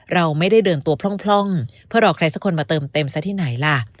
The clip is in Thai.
เราไม่ได้เดินตัวพร่องเพื่อรอใครสักคนมาเติมเต็มซะที่ไหนล่ะ